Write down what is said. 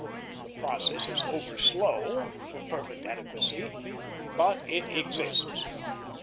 The process is overslow for perfect adequacy, but it exists.